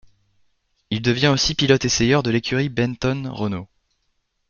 Il devient aussi pilote essayeur de l'écurie Benetton-Renault.